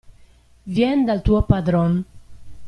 Vien dal tuo padron.